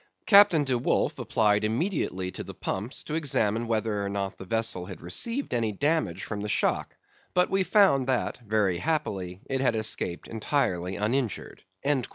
Captain D'Wolf applied immediately to the pumps to examine whether or not the vessel had received any damage from the shock, but we found that very happily it had escaped entirely uninjured."